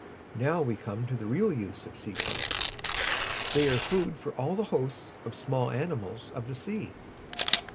Now we come to the real use of sea plants. They are food for all the hosts of small animals of the sea.